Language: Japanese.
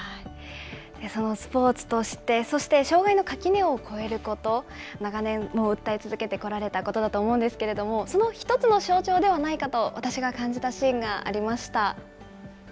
そのスポーツとして、そして障害の垣根を越えること、長年、訴え続けてこられたことだと思うんですけれども、その一つの象徴ではないかと私が感じたシーンがありました。